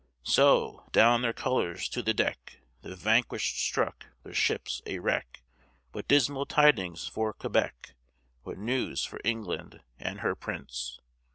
So, down their colors to the deck The vanquished struck their ships a wreck What dismal tidings for Quebec, What news for England and her prince!